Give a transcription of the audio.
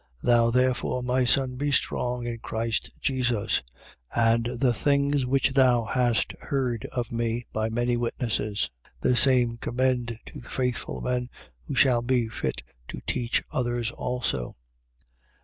2:1. Thou therefore, my son, be strong in Christ Jesus: 2:2. And the things which thou hast heard of me by many witnesses, the same commend to faithful men who shall be fit to teach others also.